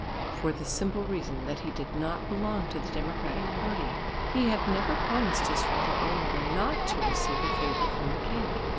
For the simple reason that he did not belong to the democratic party; he had never promised his father or mother not to receive a favour from the king.